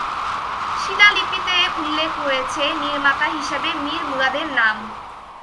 শিলালিপিতে উল্লেখ রয়েছে নির্মাতা হিসেবে মীর মুরাদের নাম।